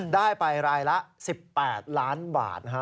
ได้ไปรายละ๑๘ล้านบาทนะฮะ